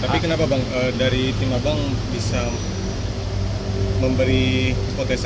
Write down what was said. tapi kenapa bang dari tim abang bisa memberi potensi